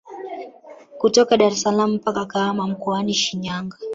Kutoka Daressalaam mpaka Kahama mkoani Shinyanga